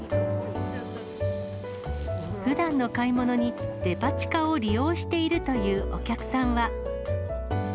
ふだんの買い物に、デパ地下を利用しているというお客さんは。